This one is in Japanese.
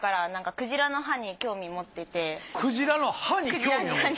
クジラの歯に興味を持った。